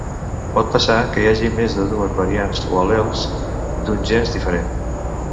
Pot passar que hi hagi més de dues variants o al·lels d'un gen diferent.